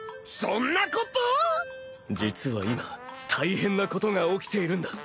実は今大変なことが起きているんだ！